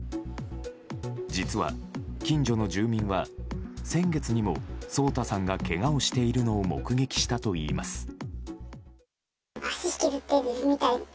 実は近所の住民は、先月にも颯太さんがけがをしているのを目撃したといいます。